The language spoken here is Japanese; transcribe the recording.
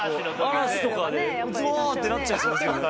嵐とかでわーってなっちゃいそうですよね。